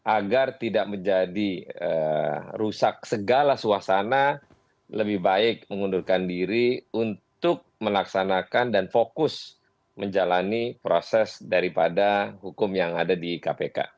agar tidak menjadi rusak segala suasana lebih baik mengundurkan diri untuk melaksanakan dan fokus menjalani proses daripada hukum yang ada di kpk